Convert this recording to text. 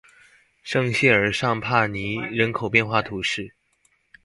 圣谢尔尚帕尼人口变化图示